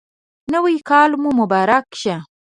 نوی کال مو مبارک شه